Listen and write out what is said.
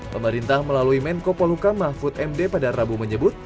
pemerintah melalui menko poluka mahfud md pada rabu menyebut